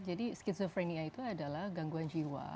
jadi skizofrenia itu adalah gangguan jiwa